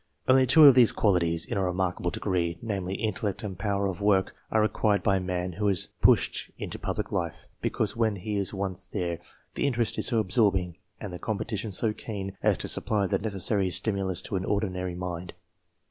Only two of these qualities, in a remarkable degree, namely intellect and power of work, are required by a man who is pushed into public life ; because when he is once there, the interest is so absorbing, and the competition so keen, as to supply the necessary stimulus to an ordinary mind.